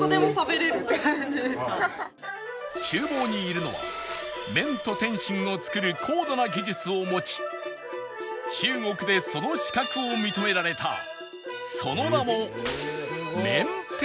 厨房にいるのは麺と点心を作る高度な技術を持ち中国でその資格を認められたその名も